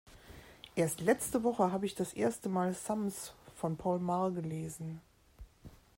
Erst letzte Woche habe ich das erste mal Sams von Paul Maar gelesen.